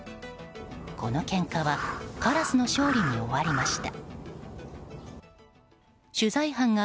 このけんかはカラスの勝利に終わりました。